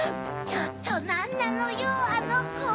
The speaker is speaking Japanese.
ちょっとなんなのよあのコ！